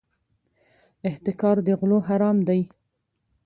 احتکار د غلو حرام دی.